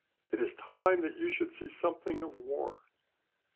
It is time that you should see something of war.